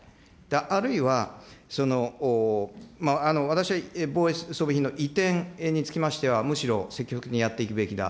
あるいは、私は防衛装備品の移転につきましては、むしろ積極的にやっていくべきだ。